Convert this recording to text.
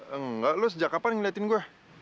enggak lo sejak kapan ngeliatin gue